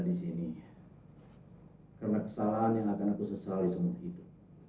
di sini karena kesalahan yang akan aku sesali seumur hidup